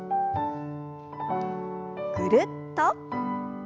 ぐるっと。